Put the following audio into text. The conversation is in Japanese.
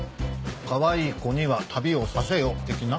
「かわいい子には旅をさせよ」的な？